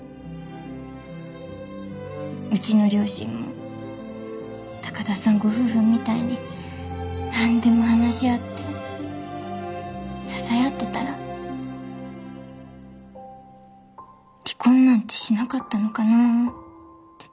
うちの両親も高田さんご夫婦みたいに何でも話し合って支え合ってたら離婚なんてしなかったのかなって。